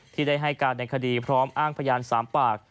ที่ได้ให้การในคดีพร้อมอ้างพยาน๓ปาก